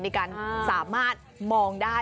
ในการสามารถมองได้